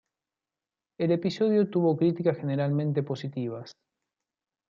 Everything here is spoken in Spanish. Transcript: El episodio tuvo críticas generalmente positivas.